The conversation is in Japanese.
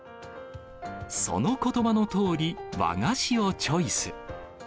そのことばのとおり、和菓子をチョイス。